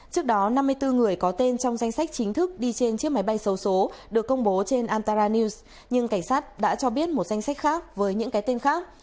trước đó năm mươi bốn người có tên trong danh sách chính thức đi trên chiếc máy bay sâu số được công bố trên anttara news nhưng cảnh sát đã cho biết một danh sách khác với những cái tên khác